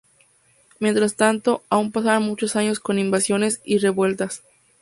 Mientras tanto, aún pasarán muchos años con invasiones y revueltas.